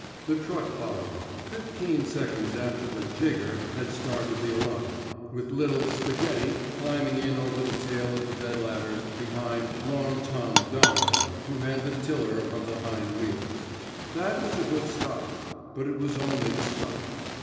The truck followed — fifteen seconds after the jigger had started the alarm — with little Spaghetti '* climbing in over the tail of the bed ladders behind Long Tom '* Donnelly, who had the tiller '* of the hind wheels. That was a good start. But it was only the start.